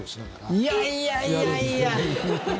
いやいやいやいや。